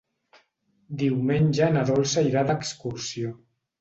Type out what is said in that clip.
Diumenge na Dolça irà d'excursió.